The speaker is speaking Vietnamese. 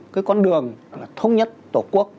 cái con đường thống nhất tổ quốc